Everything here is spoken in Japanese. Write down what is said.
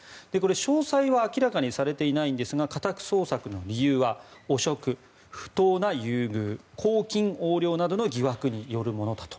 詳細は明らかにされていないんですが家宅捜索の理由は汚職、不当な優遇公金横領などの疑惑によるものだと。